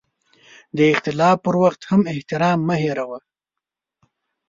د اختلاف پر وخت هم احترام مه هېروه.